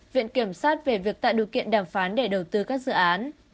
viện kiểm sát về việc tạo điều kiện đàm phán để đầu tư các dự án